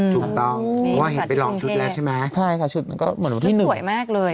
ถูกต้องเพราะว่าเห็นไปหลอกชุดแล้วใช่ไหมใช่ค่ะชุดมันก็เหมือนวันที่หนึ่งสวยมากเลย